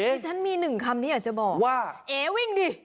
ดิฉันมีหนึ่งคำที่อยากจะบอกว่าเอ๋วิ่งดิ